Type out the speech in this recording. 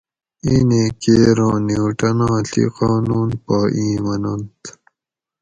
اینیں کیر ہوں نیوٹناں ڷھی قانون پا ایں مننت